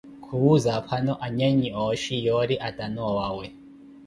Khuwuza, aphano, anyannyi ooxhi yoori atane owawe.